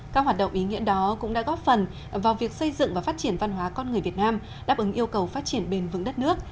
các hoạt động ý nghĩa đó cũng đã góp phần vào việc xây dựng và phát triển văn hóa con người việt nam đáp ứng yêu cầu phát triển bền vững đất nước